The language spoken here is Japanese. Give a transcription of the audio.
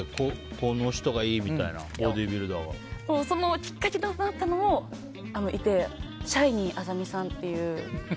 この人がいいみたいなきっかけとなった方がいてシャイニー薊さんっていう。